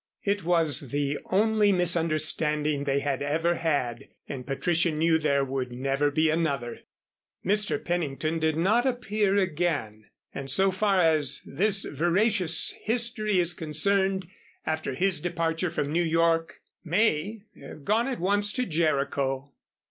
It was the only misunderstanding they had ever had and Patricia knew there would never be another. Mr. Pennington did not appear again and so far as this veracious history is concerned, after his departure from New York, may have gone at once to Jericho.